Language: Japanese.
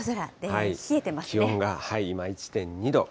気温が今、１．２度。